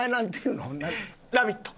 ラヴィット。